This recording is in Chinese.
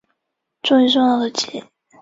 终于松了口气